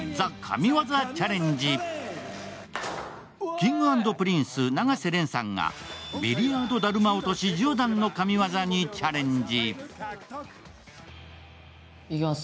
Ｋｉｎｇ＆Ｐｒｉｎｃｅ、永瀬廉さんがビリヤードだるま落とし１０段の神業にチャレンジ。